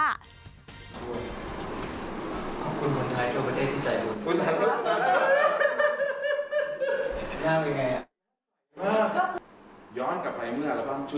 ขอบคุณคนไทยเท่าประเทศที่ใจบุญ